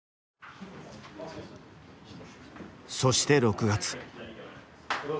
そして６月。